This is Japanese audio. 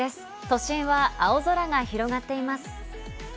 都心は青空が広がっています。